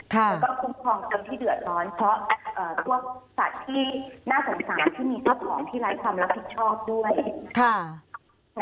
แล้วก็คุ้มครองคนที่เดือดร้อนเพราะพวกสัตว์ที่น่าสงสารที่มีเจ้าของที่ไร้ความรับผิดชอบด้วย